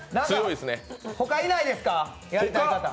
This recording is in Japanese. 他にいないっすか？